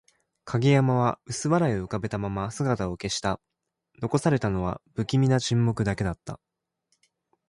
影山は薄笑いを浮かべたまま姿を消した。残されたのは、不気味な沈黙だけだった。